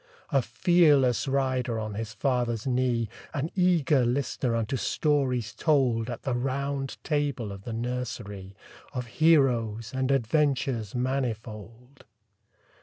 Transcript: A fearless rider on his father's knee, An eager listener unto stories told At the Round Table of the nursery, Of heroes and adventures manifold.